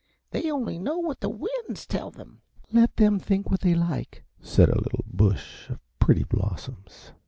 They only know what the winds tell them." "Let them think what they like," said a little bush of pretty blossoms.